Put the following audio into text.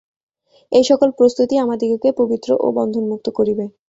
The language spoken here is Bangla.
এই-সকল প্রস্তুতি আমাদিগকে পবিত্র ও বন্ধনমুক্ত করিবে।